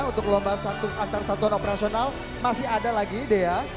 untuk lomba antar satuan operasional masih ada lagi dea